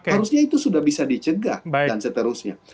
harusnya itu sudah bisa dicegah dan seterusnya